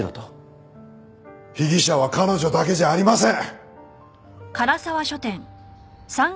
被疑者は彼女だけじゃありません！